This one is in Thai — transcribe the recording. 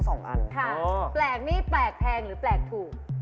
แปลกนี่แปลกแพงหรือแปลกถูก